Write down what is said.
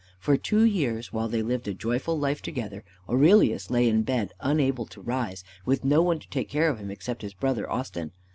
For two years, while they lived a joyful life together, Aurelius lay in bed unable to rise, with no one to take care of him except his brother Austin.